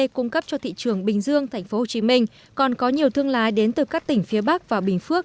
cung cấp cho thị trường bình dương tp hcm còn có nhiều thương lái đến từ các tỉnh phía bắc và bình phước